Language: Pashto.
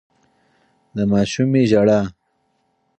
د ماشومې ژړا